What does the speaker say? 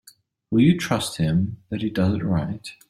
Will you trust him that he does it right?